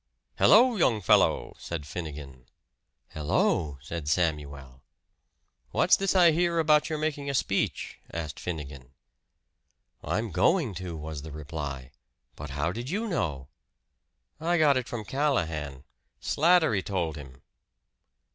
"Hello, young fellow!" said Finnegan. "Hello!" said Samuel. "What's this I hear about your making a speech?" asked Finnegan. "I'm going to," was the reply. "But how did you know?" "I got it from Callahan. Slattery told him."